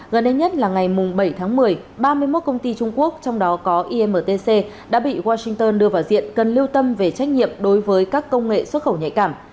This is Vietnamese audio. gần đây nhất là ngày bảy tháng một mươi ba mươi một công ty trung quốc trong đó có imtc đã bị washington đưa vào diện cần lưu tâm về trách nhiệm đối với các công nghệ xuất khẩu nhạy cảm